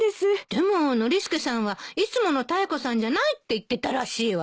でもノリスケさんはいつものタイコさんじゃないって言ってたらしいわよ。